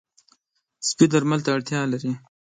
سپي درمل ته اړتیا لري.